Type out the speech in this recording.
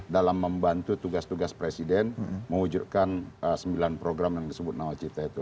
dalam membantu tugas tugas presiden mewujudkan sembilan program yang disebut nawacita itu